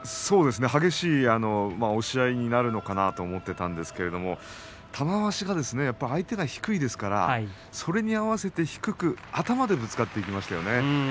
激しい押し合いになるかと思ったんですが玉鷲がやはり相手が低いですからそれに合わせて低く、頭でぶつかっていきましたよね。